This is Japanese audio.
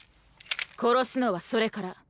殺すのはそれから。